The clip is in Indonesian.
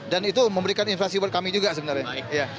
dan itu memberikan investasi buat kami juga sebenarnya